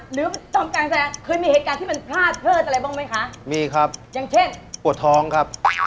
หรือสองในการขับเสภาหรือบทวงกลางเศร้า